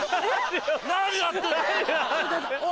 何やってんの？